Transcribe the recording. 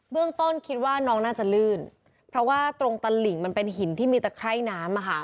ต้นคิดว่าน้องน่าจะลื่นเพราะว่าตรงตะหลิ่งมันเป็นหินที่มีตะไคร่น้ำอ่ะค่ะ